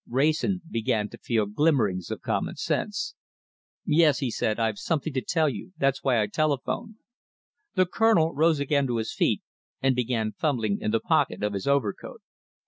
Wrayson began to feel glimmerings of common sense. "Yes!" he said, "I've something to tell you. That's why I telephoned." The Colonel rose again to his feet, and began fumbling in the pocket of his overcoat.